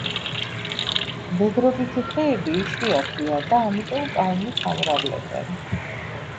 მდედრობითი ხეები იშვიათია და ამიტომ კალმით ამრავლებენ.